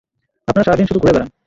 আপনারা সারাদিন শুধু ঘুরে বেড়ান।